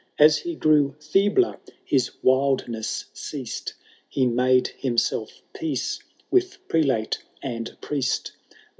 As he grew feebler, his wildness ceased. He made himself peace with prelate and priest.